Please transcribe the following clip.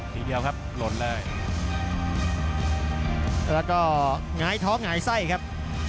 ทีเดียวครับหล่นเลยแล้วก็หงายท้องหงายไส้ครับ